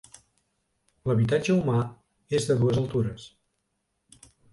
L’habitatge humà és de dues altures.